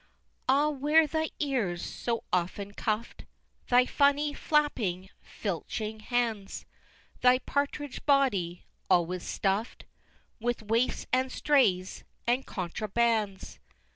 X. Ah, where thy ears, so often cuff'd! Thy funny, flapping, filching hands! Thy partridge body, always stuff'd With waifs, and strays, and contrabands!